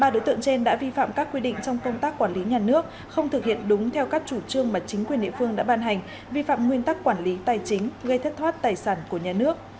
ba đối tượng trên đã vi phạm các quy định trong công tác quản lý nhà nước không thực hiện đúng theo các chủ trương mà chính quyền địa phương đã ban hành vi phạm nguyên tắc quản lý tài chính gây thất thoát tài sản của nhà nước